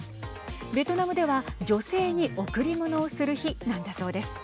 ベトナムでは女性に贈り物をする日なんだそうです。